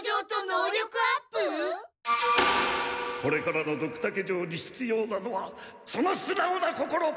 これからのドクタケ城に必要なのはそのすなおな心！